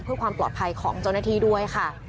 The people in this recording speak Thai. เพื่อความปลอดภัยของเจ้าหน้าที่ด้วยค่ะ